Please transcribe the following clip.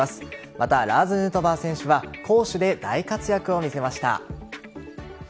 また、ラーズ・ヌートバー選手は攻守で大活躍を見せました。